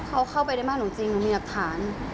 เขาเข้าไปในบ้านหนูจริงหนูมีหลักฐาน